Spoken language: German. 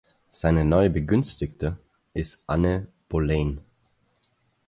Seine neue Begünstigte ist Anne Boleyn.